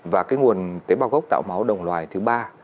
và cái nguồn tế bào gốc tạo máu đồng loài thứ ba